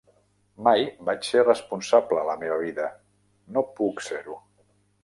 Mai vaig ser responsable a la meva vida, no puc ser-ho.